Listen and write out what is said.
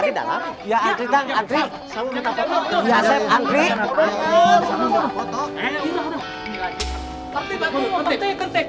timespace buat pragtal mtv